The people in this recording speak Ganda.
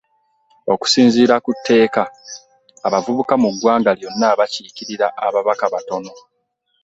Okusinziira ku tteeka, abavubuka mu ggwanga lyonna bakiikirira ababaka bataano